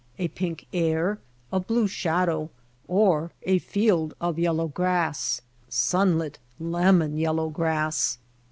a pink air, a blue shadow, or a field of yellow grass — sunlit lemon yellow grass